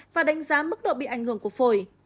và đánh giá mức độ bị ảnh hưởng của phổi